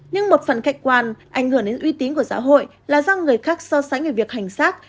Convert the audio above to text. nhưng một phần khách quan ảnh hưởng đến uy tín của xã hội là do người khác so sánh về việc hành xác